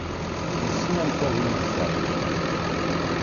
Yessen amek ad yeẓẓal.